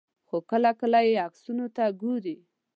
خو کله کله یې عکسونو ته وګورئ.